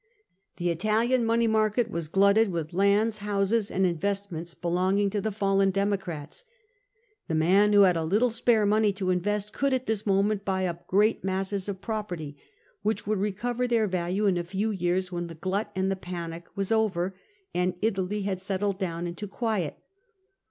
The Italian money market was glutted with lands, houses, and investments belonging to the fallen Democrats. The man who had a little spare money to invest could, at this moment, buy up great masses of property, which would recover their value in a few years, when the glut and the panic was over, and Italy had settled down into quiet.